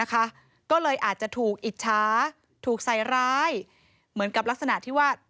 ก็เลยอาจจะถูกอิจฉาถูกใส่ร้ายเหมือนกับลักษณะที่ว่า